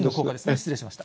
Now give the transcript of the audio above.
失礼しました。